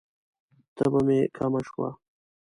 تبه می کمه شوه؟